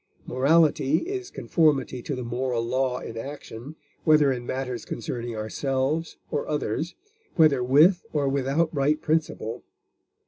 Morality is conformity to the moral law in action, whether in matters concerning ourselves or others, whether with or without right principle.